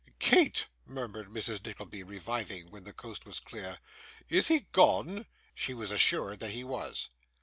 'Kate,' murmured Mrs. Nickleby, reviving when the coast was clear, 'is he gone?' She was assured that he was.